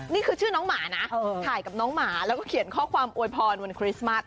นี่คือชื่อน้องหมานะถ่ายกับน้องหมาแล้วก็เขียนข้อความอวยพรวันคริสต์มัส